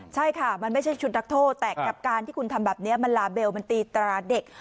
ใช่ค่ะมันไม่ใช่ชุดนักโทษแต่กับการที่คุณทำแบบนี้มันลาเบลมันตีตราเด็ก